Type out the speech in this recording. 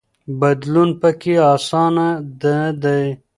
بدلون پکې اسانه نه دی.